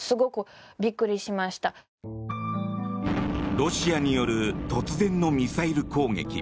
ロシアによる突然のミサイル攻撃。